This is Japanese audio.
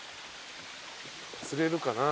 釣れるかな？